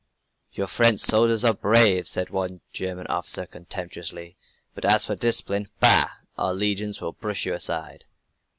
"Your French soldiers are brave," said one German officer contemptuously, "but as for discipline bah! Our legions will brush you aside."